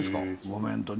「ごめん」と。